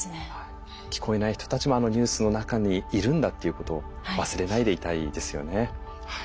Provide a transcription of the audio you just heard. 聞こえない人たちもあのニュースの中にいるんだっていうことを忘れないでいたいですよね。